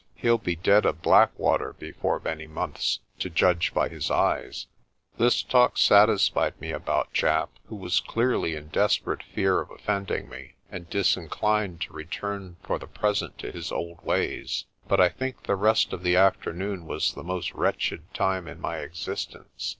He'll be dead of blackwater before many months, to judge by his eyes." 82 PRESTER JOHN This talk satisfied me about Japp, who was clearly in desperate fear of offending me, and disinclined to return for the present to his old ways. But I think the rest of the afternoon was the most wretched time in my existence.